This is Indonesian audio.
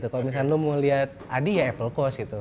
kalau misalkan lo mau lihat adi ya apple coast